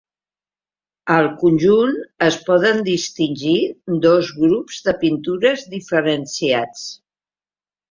Al conjunt es poden distingir dos grups de pintures diferenciats.